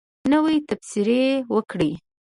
نوی تبصرې وکړئ